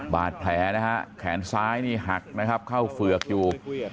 บาดแผลนะฮะแขนซ้ายนี่หักนะครับเข้าเฝือกอยู่